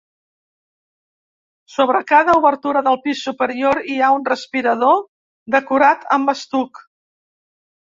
Sobre cada obertura del pis superior hi ha un respirador decorat amb estuc.